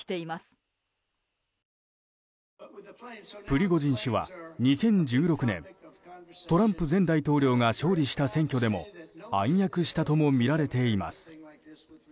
プリゴジン氏は２０１６年トランプ前大統領が勝利した選挙でも暗躍したともみられています。